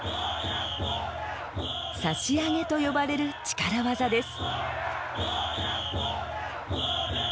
差し上げと呼ばれる力技です。